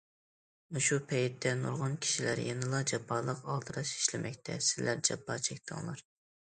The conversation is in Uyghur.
مۇشۇ پەيتتە، نۇرغۇن كىشىلەر يەنىلا جاپالىق، ئالدىراش ئىشلىمەكتە، سىلەر جاپا چەكتىڭلار!